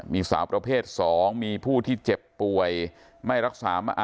มีสาวประเภท๒มีผู้ที่เจ็บป่วยไม่รักษามา